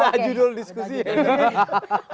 sudah judul diskusinya